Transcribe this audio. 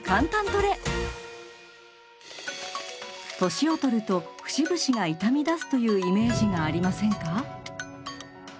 年を取ると節々が痛みだすというイメージがありませんか？